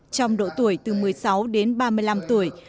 trong độ tuổi từ một mươi sáu đến ba mươi năm tuổi